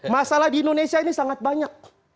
masalah di indonesia ini sangat banyak